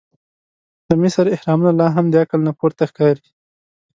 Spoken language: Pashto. د مصر احرامونه لا هم د عقل نه پورته ښکاري.